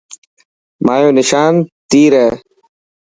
مايو نشان تير هي.